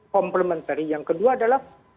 komplementari yang kedua adalah